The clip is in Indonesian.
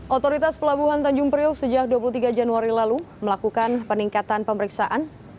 otoritas pelabuhan tanjung priok sejak dua puluh tiga januari lalu melakukan peningkatan pemeriksaan